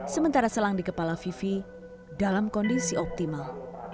sementara selang di kepala vivi dalam kondisi optimal